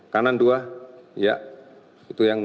kanan dua ya itu yang